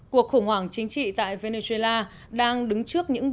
cuộc khủng hoảng chính trị tại venezuela đang đứng trước những bước mọt lớn